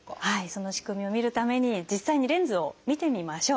その仕組みを見るために実際にレンズを見てみましょう。